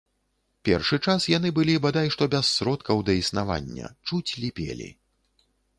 Першы час яны былі бадай што без сродкаў да існавання, чуць ліпелі.